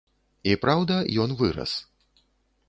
І праўда, ён вырас.